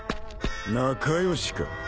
仲良しか。